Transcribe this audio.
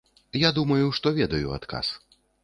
Я думаю, што ведаю адказ.